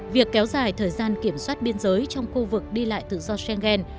việc kéo dài thời gian kiểm soát biên giới trong khu vực đi lại tự do schengen